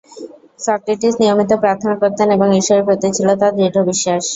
Socrates নিয়মিত প্রার্থনা করতেন এবং ঈশ্বরের প্রতি ছিল তাঁর দৃঢ় বিশ্বাস।